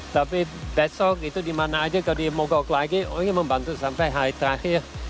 tapi besok itu dimana aja kalau di mogok lagi oh ini membantu sampai hari terakhir